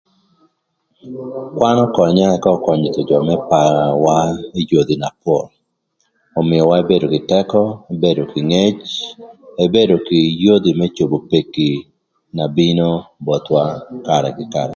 Kwan ökönya ëka ökönyö thon jö më parwa ï yodhi na pol ömïöwa ebedo kï tëkö ebedo kï ngec ebedo kï yodhi më cobo peki na bino bothwa karë kï karë.